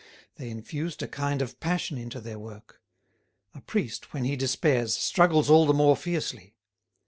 They infused a kind of passion into their work: a priest, when he despairs, struggles all the more fiercely.